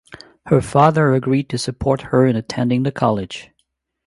Her father agreed to support her in attending the college.